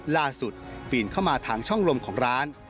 ปีนเข้ามาทางช่องลมของร้าน